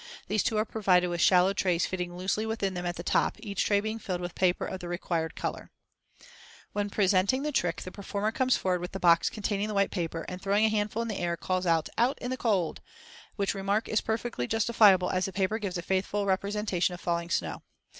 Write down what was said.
These two are provided with shallow trays fitting loosely within them at the top, each tray being filled with paper of the required color (Fig. 29). Fig. 29. Goblet with Shallow Tray. When presenting the trick the performer comes forward with the box containing the white paper, and throwing a handful in the air, calls out, "Out in the cold," which remark is perfectly justifiable, as the paper gives a faithful representation of falling snow.